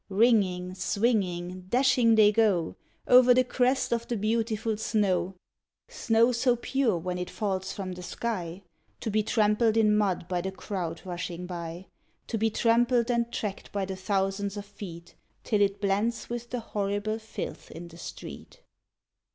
Ringing, Swinging, Dashing they go Over the crest of the beautiful snow: Snow so pure when it falls from the sky, To be trampled in mud by the crowd rushing by; To be trampled and tracked by the thousands of feet Till it blends with the horrible filth in the street.